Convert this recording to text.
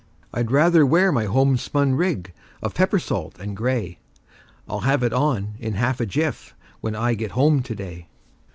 I'd rather wear my homespun rig of pepper salt and gray— I'll have it on in half a jiff, when I get home to day.